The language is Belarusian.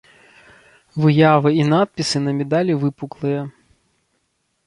Выявы і надпісы на медалі выпуклыя.